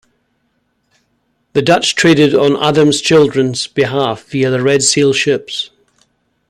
The Dutch traded on Adams's children's behalf via the Red Seal ships.